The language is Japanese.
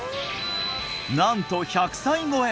なんと１００歳超え！